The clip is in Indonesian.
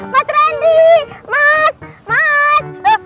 mas randi mas mas